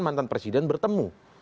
mantan presiden bertemu